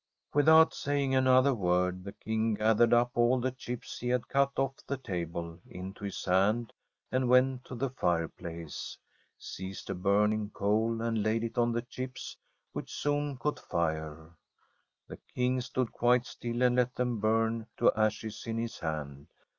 Without saying another word, the King gath ered up all the chips he had cut off the table into his hand, went to the fireplace, seized a burning coal, and laid it on the chips, which soon caught fire. The King stood quite still and let them bum to ashes in his hand.